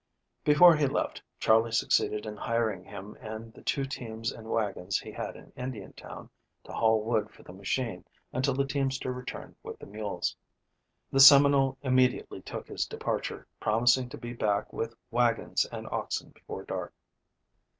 Before he left, Charley succeeded in hiring him and the two teams and wagons he had in Indiantown to haul wood for the machine until the teamster returned with the mules. The Seminole immediately took his departure, promising to be back with wagons and oxen before dark.